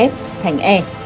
f thành e